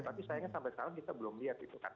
tapi sayangnya sampai sekarang kita belum lihat itu kan